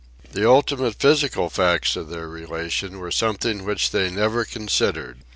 The ultimate physical facts of their relation were something which they never considered.